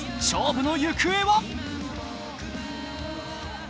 勝負の行方は？